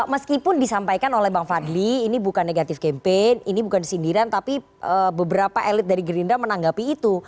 meskipun disampaikan oleh bang fadli ini bukan negatif campaign ini bukan sindiran tapi beberapa elit dari gerindra menanggapi itu